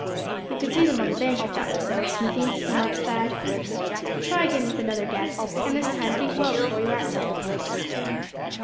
"You could see them on the bank, if that were so, Smithy," remarked Thad. "Try again with another guess; and this time think well before you answer."